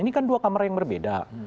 ini kan dua kamar yang berbeda